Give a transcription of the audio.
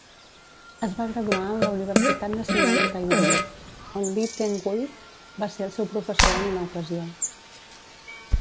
Es va graduar en la Universitat Nacional de Taiwan, on Lee Teng-hui va ser el seu professor en una ocasió.